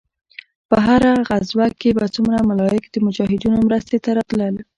په هره غزوه کښې به څومره ملايک د مجاهدينو مرستې ته راتلل.